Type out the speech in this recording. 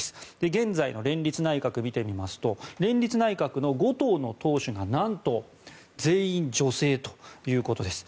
現在の連立内閣を見てみますと連立内閣の５党の党首がなんと全員女性ということです。